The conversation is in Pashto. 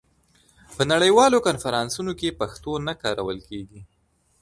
په نړیوالو کنفرانسونو کې پښتو نه کارول کېږي.